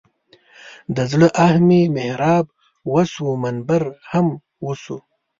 د زړه آه مې محراب وسو منبر هم وسو.